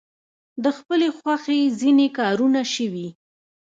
د خپلې خوښې ځینې کارونه شوي.